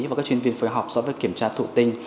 và các chuyên viên phôi học so với kiểm tra thụ tinh